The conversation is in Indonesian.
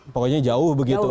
pokoknya jauh begitu